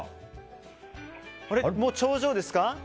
もう頂上ですか？